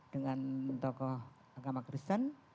dengan toko agama kristen